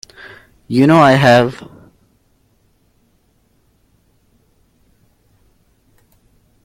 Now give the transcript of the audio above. You know I have.